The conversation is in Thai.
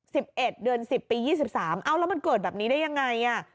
เอ็ดเดือนสิบปียี่สิบสามเอ้าแล้วมันเกิดแบบนี้ได้ยังไงอ่ะ